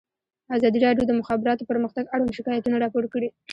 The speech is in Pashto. ازادي راډیو د د مخابراتو پرمختګ اړوند شکایتونه راپور کړي.